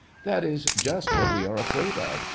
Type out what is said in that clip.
That is just what we are afraid of.